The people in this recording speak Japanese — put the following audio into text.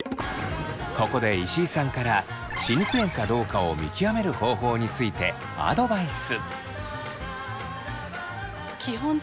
ここで石井さんから歯肉炎かどうかを見極める方法についてアドバイス。